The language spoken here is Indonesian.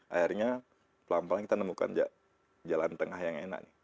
akhirnya pelan pelan kita nemukan jalan tengah yang enak nih